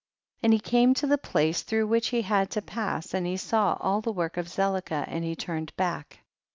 50. And he came to the place through which he had to pass, and he saw all the work of Zelicah, and he turned back.